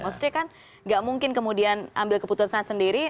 maksudnya kan gak mungkin kemudian ambil keputusan sendiri